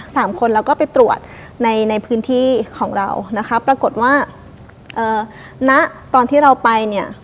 สามคนเราก็ไปตรวจในในพื้นที่ของเรานะคะปรากฏว่าเอ่อณตอนที่เราไปเนี่ย